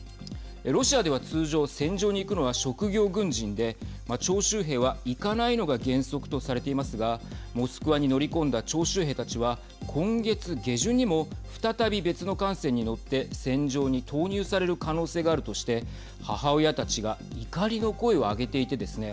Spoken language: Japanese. ロシアでは通常戦場に行くのは職業軍人で徴集兵は行かないのが原則とされていますがモスクワに乗り込んだ徴集兵たちは今月下旬にも再び別の艦船に乗って戦場に投入される可能性があるとして母親たちが怒りの声を上げていてですね